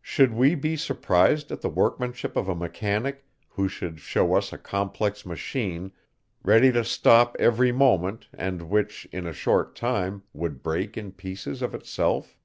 Should we be surprised at the workmanship of a mechanic, who should shew us a complex machine, ready to stop every moment, and which, in a short time, would break in pieces of itself?